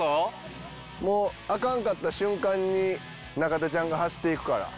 もうアカンかった瞬間に中田ちゃんが走っていくから。